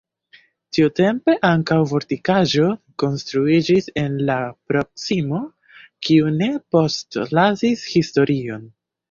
Tiutempe ankaŭ fortikaĵo konstruiĝis en la proksimo, kiu ne postlasis historion.